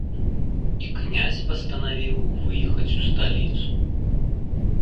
І князь пастанавіў выехаць у сталіцу.